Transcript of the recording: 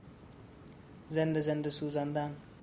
زنده زنده سوزاندن